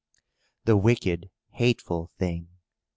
The wicked, hateful thing!